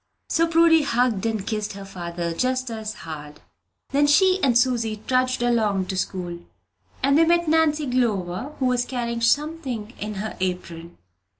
So Prudy hugged and kissed her father "just as hard." Then she and Susy trudged along to school, and they met Nancy Glover, who was carrying something in her apron.